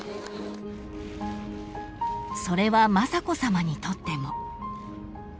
［それは雅子さまにとっても］